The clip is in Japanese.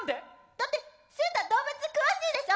だってしゅうた動物詳しいでしょ？